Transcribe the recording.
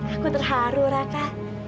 aku terharu raka